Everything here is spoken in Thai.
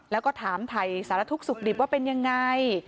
แล้วก็ถามถ่ายสารทุกข์สุขดิบว่าเป็นยังไง